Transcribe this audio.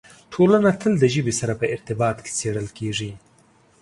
ټولنه تل د ژبې سره په ارتباط کې څېړل کېږي.